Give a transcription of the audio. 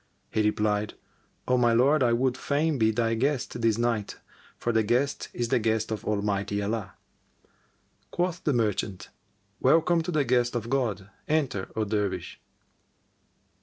He replied, "O my lord, I would fain be thy guest this night, for the guest is the guest of Almighty Allah." Quoth the merchant, "Welcome to the guest of God: enter, O Dervish!"